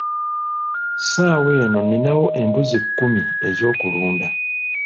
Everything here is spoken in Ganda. Ssaawa eno ninawo embuzi kkumi ez'okuluda.